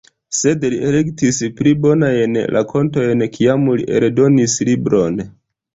Sed li elektis pli bonajn rakontojn kiam li eldonis libron.